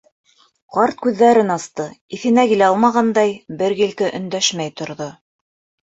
Ҡарт күҙҙәрен асты, иҫенә килә алмағандай, бер килке өндәшмәй торҙо.